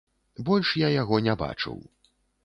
Больш я яго не бачыў.